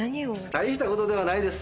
大した事ではないです。